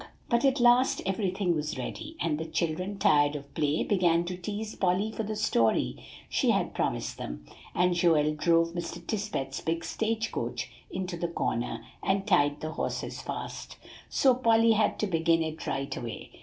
But at last everything was ready; and the children, tired of play, began to tease Polly for the story she had promised them; and Joel drove Mr. Tisbett's big stage coach into the corner, and tied the horses fast. So Polly had to begin it right away.